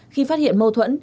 khi phát hiện mâu thuẫn